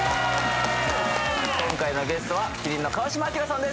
今回のゲストは麒麟の川島明さんです